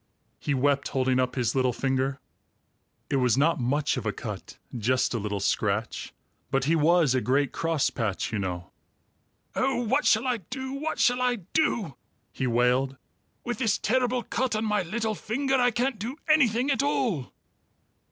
he wept, holding up his little finger. (It was not much of a cut; just a little scratch; but he was a great crosspatch, you know.) "Oh, what shall I do? What shall I do?" he wailed. "With this terrible cut on my little finger, I can't do anything at all!"